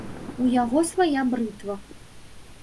У яго свая брытва.